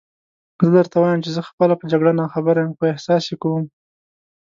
زه درته وایم چې زه خپله په جګړه ناخبره یم، خو احساس یې کوم.